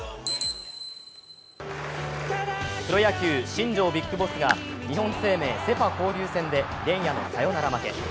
プロ野球、新庄ＢＩＧＢＯＳＳが日本生命セ・パ交流戦で連夜のサヨナラ負け。